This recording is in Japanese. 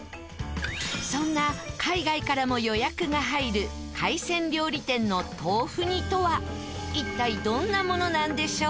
そんな海外からも予約が入る海鮮料理店の豆腐煮とは一体どんなものなんでしょう？